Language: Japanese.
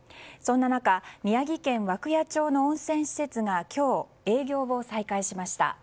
そんな中宮城県涌谷町の温泉施設が今日、営業を再開しました。